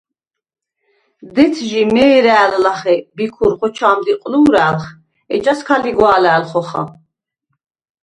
დეცჟი მე̄რა̄̈ლ ლახე ბიქურ ხოჩა̄მდ იყლუ̄რა̄̈ლხ, ეჯას ქა ლიგვა̄ლა̄̈ლ ხოხა.